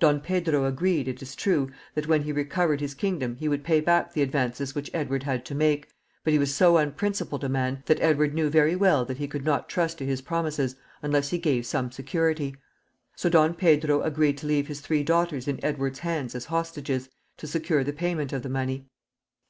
Don Pedro agreed, it is true, that when he recovered his kingdom he would pay back the advances which Edward had to make, but he was so unprincipled a man that Edward knew very well that he could not trust to his promises unless he gave some security. So Don Pedro agreed to leave his three daughters in Edward's hands as hostages to secure the payment of the money.